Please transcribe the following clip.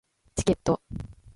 チケット